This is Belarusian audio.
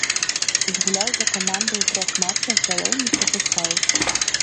Згуляў за каманду ў трох матчах, галоў не прапускаў.